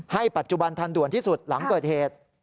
ปัจจุบันทันด่วนที่สุดหลังเกิดเหตุ